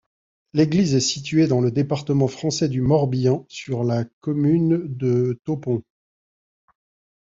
L'église est située dans le département français du Morbihan, sur la commune de Taupont.